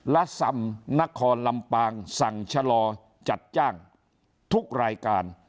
และสำนครลำปางสั่งชะลอจัดจ้างทุกรายการ